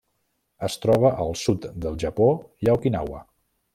Es troba al sud del Japó i a Okinawa.